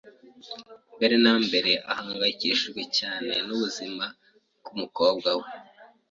Mbere na mbere, ahangayikishijwe cyane n'ubuzima bw'umukobwa we.